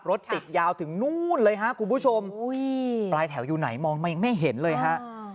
รถติดยาวถึงนู่นเลยฮะคุณผู้ชมปลายแถวอยู่ไหนมองมายังไม่เห็นเลยฮะ